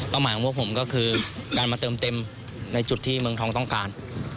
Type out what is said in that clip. หมายของพวกผมก็คือการมาเติมเต็มในจุดที่เมืองทองต้องการ